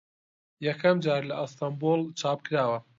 یەکەم جار لە ئەستەمبوڵ چاپ کراوە